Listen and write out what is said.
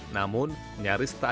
namun nyaris tak ada